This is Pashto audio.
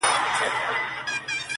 زه به هم داسي وكړم,